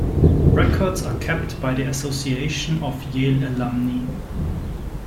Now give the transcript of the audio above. Records are kept by the Association of Yale Alumni.